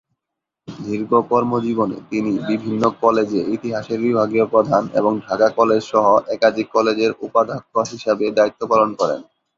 দীর্ঘ কর্মজীবনে তিনি বিভিন্ন কলেজে ইতিহাসের বিভাগীয় প্রধান এবং ঢাকা কলেজ সহ একাধিক কলেজের উপাধ্যক্ষ হিসাবে দায়িত্ব পালন করেন।